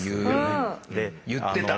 言ってた！